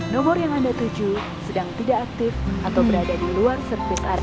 biar itu yang paling penting tarian buat istri